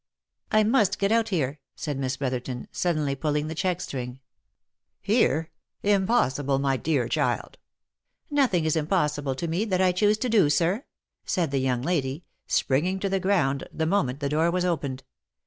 I must get out here," said Miss Brotherton, suddenly pulling the check string. 126 THE LIFE AND ADVENTURES "Here? Impossible, my dear child !"" Nothing is impossible to me, that I choose to do, sir,' 1 said the young lady, springing to the ground the moment the door was opened.